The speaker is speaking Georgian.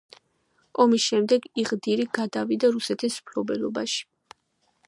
ომის შემდეგ იღდირი გადავიდა რუსეთის მფლობელობაში.